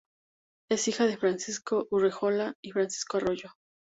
Es hija de Francisco Urrejola y Francisca Arroyo.